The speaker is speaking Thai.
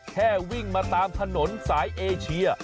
แค่วิ่งมาตามถนนสายเอเชีย